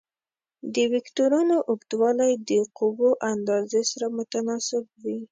د وکتورونو اوږدوالی د قوو اندازې سره متناسب وي.